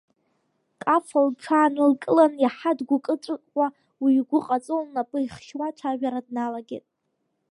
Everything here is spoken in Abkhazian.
Кафа лҽаанылкылан, иаҳа дгәыкы-ҵәыкуа, уи игәы ҟаҵо, лнапы ихьшьуа ацәажәара дналагеит.